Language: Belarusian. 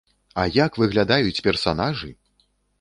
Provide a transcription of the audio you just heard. А як выглядаюць персанажы!